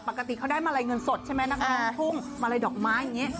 ปกติเค้าได้มาลัยเงินสดใช่ไหมอ่านาคมนกทุ่งมาลัยดอกไม้อย่างเงี้ย